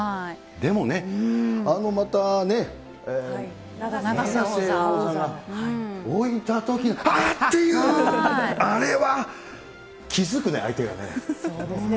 でもね、あのまた永瀬王座が置いたときに、あーっていう、あれは気付くね、そうですね。